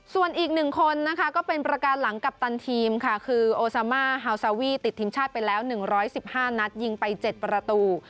ส่วนอีก๑คนนะคะก็เป็นประการหลังกัปตันทีมค่ะคือโอซามาฮาวซาวีติดทีมชาติไปแล้ว๑๑๕นัดยิงไป๗ประตู